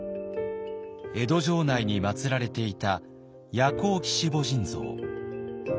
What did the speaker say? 江戸城内にまつられていた夜光鬼子母神像。